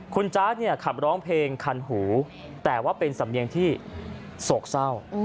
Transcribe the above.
คุณจ๊ะเนี่ยขับร้องเพลงคันหูแต่ว่าเป็นสำเนียงที่โศกเศร้า